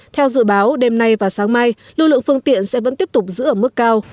theo dự báo đêm nay và sáng mai lưu lượng phương tiện sẽ vẫn tiếp tục giữ ở mức cao